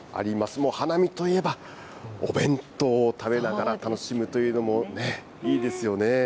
もう花見といえば、お弁当を食べながら楽しむというのもね、いいですよね。